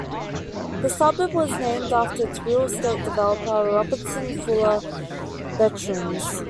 The suburb was named after its real estate developer Robertson Fuller Bertrams.